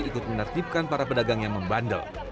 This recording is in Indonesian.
ikut menertibkan para pedagang yang membandel